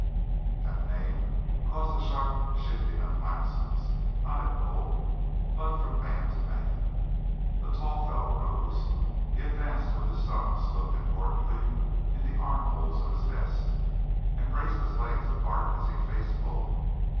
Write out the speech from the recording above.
That name caused a sharp shifting of glances, not at Bull, but from man to man. A tall fellow rose. He advanced with his thumbs hooked importantly in the arm holes of his vest and braced his legs apart as he faced Bull.